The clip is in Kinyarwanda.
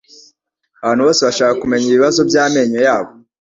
abantu bose bashaka kumenya ibibazo by'amenyo yabo,